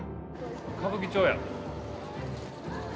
歌舞伎町や！